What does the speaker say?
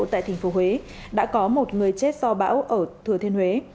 tại tp huế đã có một người chết do bão ở thừa thiên huế